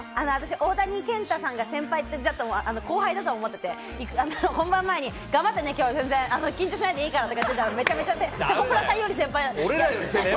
大谷健太さんが先輩って、後輩だと思ってて、本番前に頑張ってね、今日、全然緊張しないでいいからねって言ったけど、チョコプラさんより先輩だった。